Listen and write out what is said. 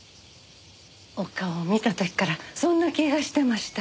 お顔を見た時からそんな気がしてました。